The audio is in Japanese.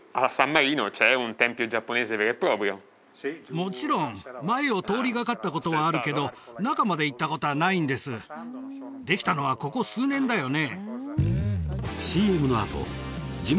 もちろん前を通りがかったことはあるけど中まで行ったことはないんですできたのはここ数年だよね